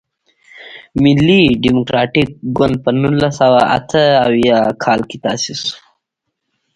ملي ډیموکراتیک ګوند په نولس سوه اته اویا کال کې تاسیس شو.